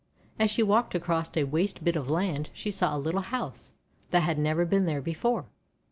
As she walked across a waste bit of land she saw a little house that had never been there before.